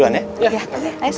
buat tanah bruit